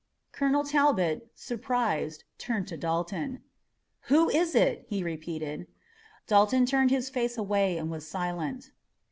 Colonel Talbot, surprised, turned to Dalton. "Who was it?" he repeated. Dalton turned his face away, and was silent.